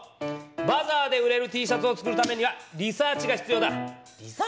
バザーで売れるＴシャツを作るためにはリサーチが必要だ！リサーチ？